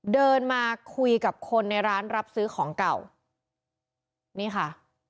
เดินมาคุยกับคนในร้านรับซื้อของเก่านี่ค่ะ